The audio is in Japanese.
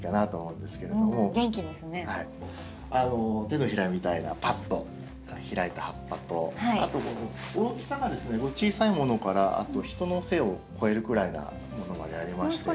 手のひらみたいなパッと開いた葉っぱとあと大きさがですね小さいものから人の背を越えるぐらいなものまでありまして。